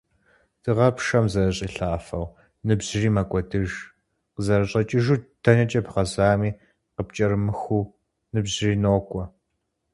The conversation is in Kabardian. Дыгъэр пшэм зэрыщӏилъафэу, ныбжьри мэкӏуэдыж, къызэрыщӏэкӏыжу - дэнэкӏэ бгъазэми, къыпкӏэрымыхуу ныбжьри нокӏуэ.